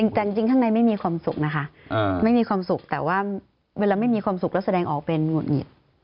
จริงข้างในไม่มีความสุขแล้วแสดงออกเป็นหงุดหงิด